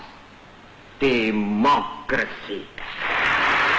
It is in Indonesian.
seperti merasai beloved atau lebih indonesia